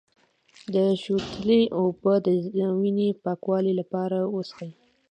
د شوتلې اوبه د وینې پاکولو لپاره وڅښئ